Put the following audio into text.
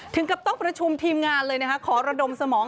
ถึงกับต้องประชุมทีมงานเลยนะคะขอระดมสมอง